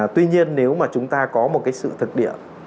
tuy nhiên nếu mà chúng ta có một cái sự thực địa